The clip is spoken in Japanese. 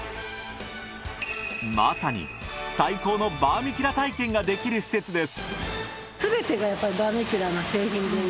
まさに最高のバーミキュラ体験ができる施設です。